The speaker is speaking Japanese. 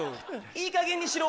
いいかげんにしろ。